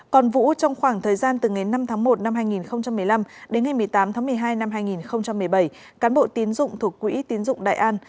còn vũ trong khoảng thời gian từ ngày năm tháng một năm hai nghìn một mươi năm đến ngày một mươi tám tháng một mươi hai năm hai nghìn một mươi bảy cán bộ tiến dụng thuộc quỹ tiến dụng đại an